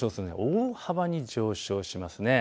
大幅に上昇します。